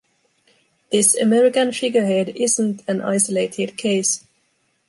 This American figurehead isn’t an isolated case.